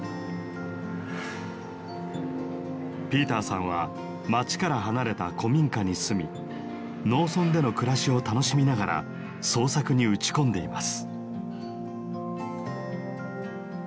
ピーターさんは町から離れた古民家に住み農村での暮らしを楽しみながら創作に打ち込んでいます。